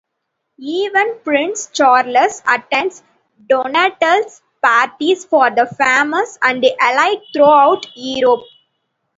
Even Prince Charles attends Donatella's parties for the famous and elite throughout Europe.